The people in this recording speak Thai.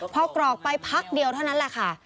พอกรอกไปพักเดียวเท่านั้นแหละค่ะ